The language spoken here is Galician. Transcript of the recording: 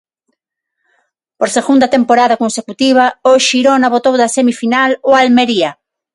Por segunda temporada consecutiva, o Xirona botou da semifinal o Almería.